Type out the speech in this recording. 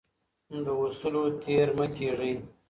له اصولو تیر مه کیږئ.